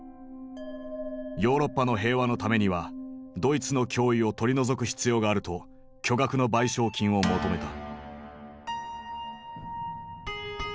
ヨーロッパの平和のためにはドイツの脅威を取り除く必要があると巨額の賠償金を求めた。